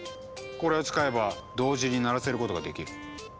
これを使えば同時に鳴らせることができる。